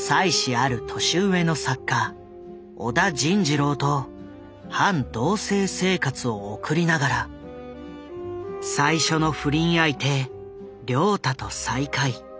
ある年上の作家小田仁二郎と半同せい生活を送りながら最初の不倫相手「凉太」と再会。